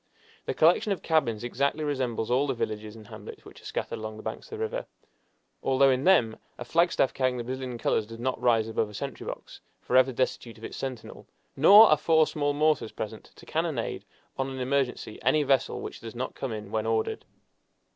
The collection of cabins exactly resembles all the villages and hamlets which are scattered along the banks of the river, although in them a flagstaff carrying the Brazilian colors does not rise above a sentry box, forever destitute of its sentinel, nor are four small mortars present to cannonade on an emergency any vessel which does not come in when ordered.